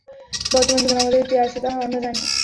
বর্তমান জীবন আমাদের একটি আছে, তাহা আমরা জানি।